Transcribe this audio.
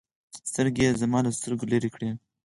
سترګې يې زما له سترګو لرې كړې.